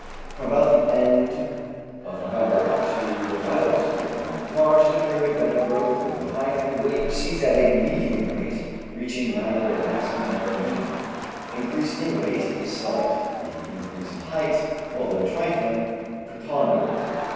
From about the end of November up to about the end of March is a period when growth, both in height and weight, proceeds at a medium rate, reaching neither a maximum nor a minimum; increase in weight is slight, the increase in height, although trifling, preponderating.